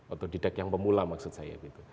otodidak yang pemula maksud saya gitu